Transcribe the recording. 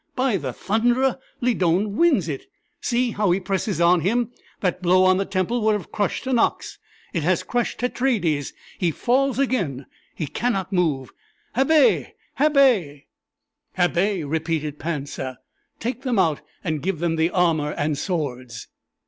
"By the Thunderer! Lydon wins it. See how he presses on him! That blow on the temple would have crushed an ox! it has crushed Tetraides. He falls again he cannot move habet! habet!" "Habet!" repeated Pansa. "Take them out and give them the armor and swords."